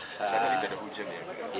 di sana tidak ada hujan ya